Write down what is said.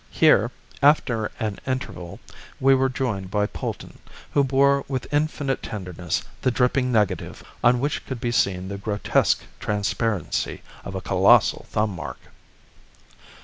Here, after an interval, we were joined by Polton, who bore with infinite tenderness the dripping negative on which could be seen the grotesque transparency of a colossal thumb mark.